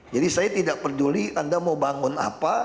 jadi saya tidak peduli anda mau bangun apa